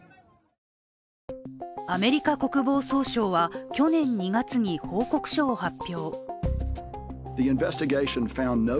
アメリカ国防総省は去年２月に報告書を発表。